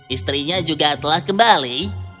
istrinya juga telah kembali